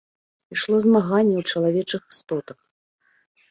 Ішло змаганне ў чалавечых істотах.